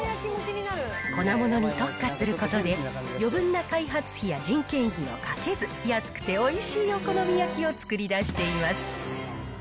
粉ものに特化することで、余分な開発費や人件費をかけず、安くておいしいお好み焼きを作り出しています。